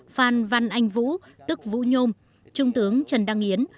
phan văn anh vũ tức vũ nhôm trung tướng trần đăng yến